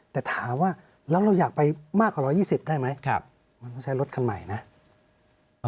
แต่ถามว่าแล้วเราอยากไปมากกว่า๑๒๐ได้ไหมมันต้องใช้รถคันใหม่นะ